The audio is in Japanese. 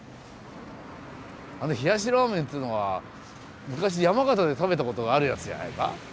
あの冷やしラーメンっていうのは昔山形で食べたことがあるやつじゃないか？